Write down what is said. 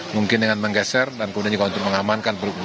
mungkin dengan menggeser dan kemudian juga untuk mengamankan perutnya